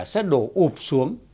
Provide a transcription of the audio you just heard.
sẽ đổ ụp xuống